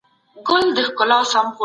د کندهار صنعت څنګه بازار مومي؟